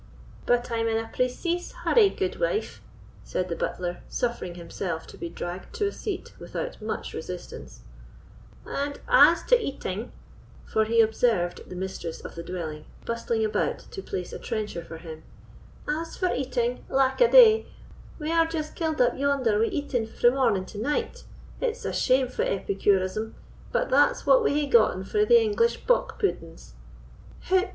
"But I'm in a preceese hurry, gudewife," said the butler, suffering himself to be dragged to a seat without much resistance; "and as to eating," for he observed the mistress of the dwelling bustling about to place a trencher for him—"as for eating—lack a day, we are just killed up yonder wi' eating frae morning to night! It's shamefu' epicurism; but that's what we hae gotten frae the English pock puddings."